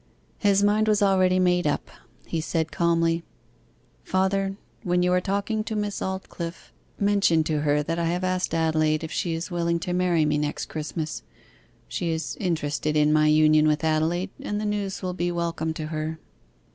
His mind was already made up. He said calmly, 'Father, when you are talking to Miss Aldclyffe, mention to her that I have asked Adelaide if she is willing to marry me next Christmas. She is interested in my union with Adelaide, and the news will be welcome to her.